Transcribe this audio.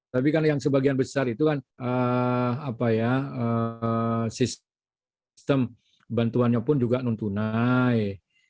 tapi kan yang sebagian besar itu kan sistem bantuannya pun juga non tunai